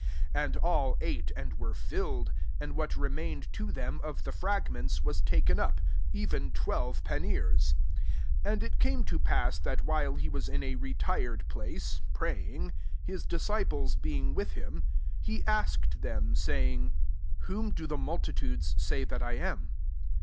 17 And all ate, and were filled: and what remained to them of the fragments was ta^ ken up, ^vm twdfve panniers* , 18 And it came to pass, that irhile he was in a retired place, praying, his disciples being with him : he asked them, say ing, " Whom do the multitudes say that I am